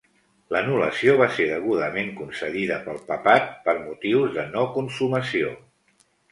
L'anul·lació va ser degudament concedida pel papat per motius de no consumació.